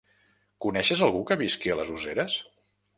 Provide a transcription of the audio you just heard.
Coneixes algú que visqui a les Useres?